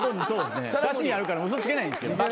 写真あるから嘘つけないんですよ。